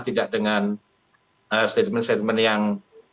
tidak dengan statement statement yang